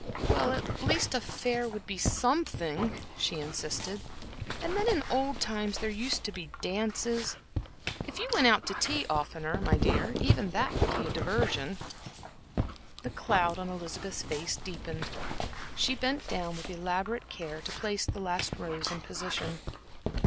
"Well, at least, a fair would be something," she insisted "and then in old times there used to be dances. If you went out to tea oftener, my dear even that would be a diversion." The cloud on Elizabeth's face deepened. She bent down with elaborate care to place the last rose in position.